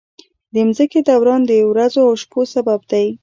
د ځمکې دوران د ورځو او شپو سبب دی.